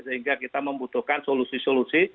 sehingga kita membutuhkan solusi solusi